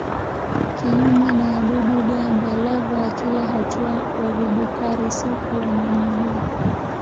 Kinyume na wadudu-gamba lava wa kila hatua wa vidukari-sufu wana miguu.